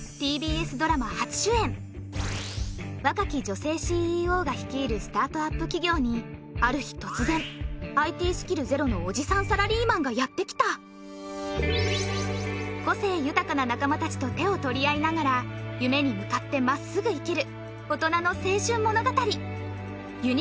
若き女性ＣＥＯが率いるスタートアップ企業にある日突然ＩＴスキルゼロのおじさんサラリーマンがやってきた個性豊かな仲間達と手を取り合いながら夢に向かってまっすぐ生きる大人の青春物語